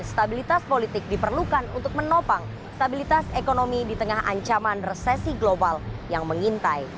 stabilitas politik diperlukan untuk menopang stabilitas ekonomi di tengah ancaman resesi global yang mengintai